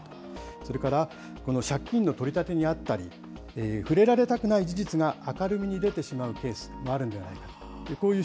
それから、この借金の取り立てにあったり、触れられたくない事実が明るみに出てしまうケースもあるのではな